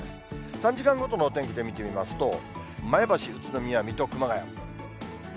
３時間ごとのお天気で見てみますと、前橋、宇都宮、水戸、熊谷。